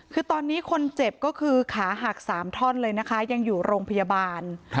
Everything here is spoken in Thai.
คือตอนนี้คนเจ็บก็คือขาหัก๓ท่อนเลยนะคะยังอยู่โรงพยาบาล